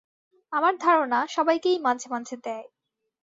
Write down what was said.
আমার ধারণা, সবাইকেই মাঝে-মাঝে দেয়।